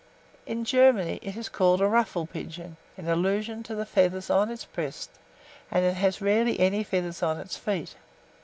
In Germany it is called the ruffle pigeon, in allusion to the feathers on its breast; and it has rarely any feathers on its feet.